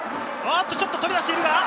ちょっと飛び出しているが！